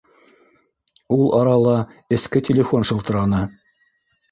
Ул арала эске телефон шылтыраны: